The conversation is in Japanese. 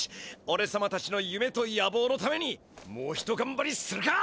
おれさまたちのゆめとやぼうのためにもうひとがんばりするか！